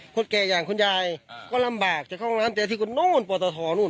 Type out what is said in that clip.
คนแก่อย่างคนยายอ่าก็รำบากจะเข้าห้องน้ำแจที่คนนู้นปวดถ่อนู้น